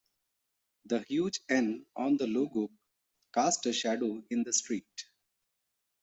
The huge N on the logo cast a shadow in the street.